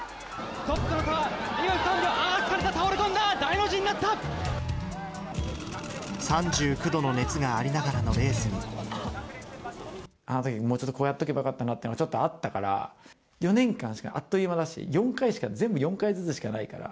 あー、倒れ込んだ、大の字に３９度の熱がありながらのレあのとき、もうちょっとこうやっておけばよかったなっていうのがちょっとあったから、４年間、あっという間だし、４回しか、全部で４回ずつしかないから、